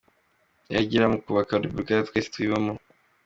yagira mu kubaka Repubulika twese twibonamo.